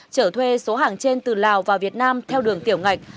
trở thuê số hàng trên từ lào vào việt nam theo đường tiểu ngạch